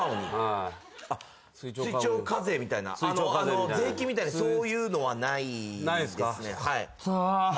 追徴課税みたいな税金みたいなそういうのはないですね。